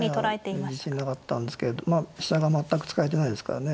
いや自信なかったんですけどまあ飛車が全く使えてないですからね。